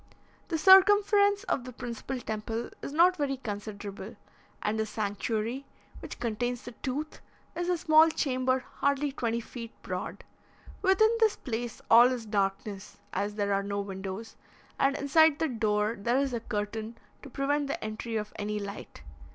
The circumference of the principal temple is not very considerable, and the sanctuary, which contains the tooth, is a small chamber hardly twenty feet broad. Within this place all is darkness, as there are no windows, and inside the door, there is a curtain, to prevent the entry of any light.